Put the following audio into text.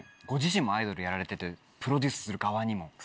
ご自身もアイドルやられててプロデュースする側にも。